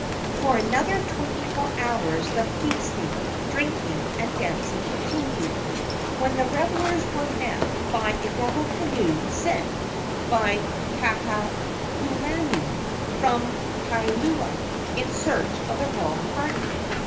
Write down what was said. For another twenty four hours the feasting, drinking and dancing continued, when the revelers were met by a double canoe sent by Kaahumanu from Kailua in search of the royal party.